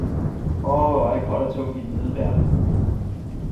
Oh hvor det var gråt og tungt i den vide verden.